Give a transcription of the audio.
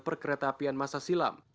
perkereta apian masa silam